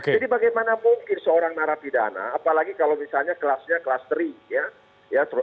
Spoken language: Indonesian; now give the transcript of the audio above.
jadi bagaimana mungkin seorang narapidana apalagi kalau misalnya kelasnya kelas tiga ya